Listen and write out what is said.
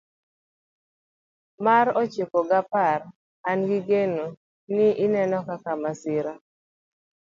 Mar ochiko gi apar an gi geno ni ineno kaka masira